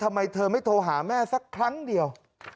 ทำไมเธอไม่โทรหาแม่สักครั้งเดียว